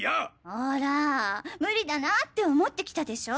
ほらムリだなって思ってきたでしょ。